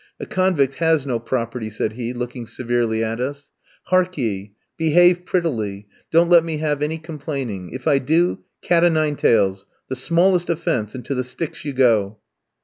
A convict has no property," said he, looking severely at us. "Hark ye! Behave prettily; don't let me have any complaining. If I do cat o' nine tails! The smallest offence, and to the sticks you go!"